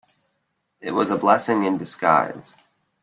It was a blessing in disguise.